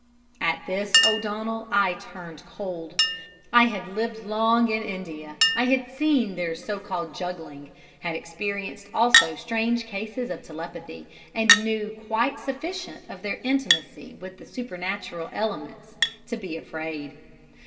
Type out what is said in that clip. "At this, O'Donnell, I turned cold. I had lived long in India. I had seen their so called juggling, had experienced also strange cases of telepathy, and knew quite sufficient of their intimacy with the supernatural elements to be afraid.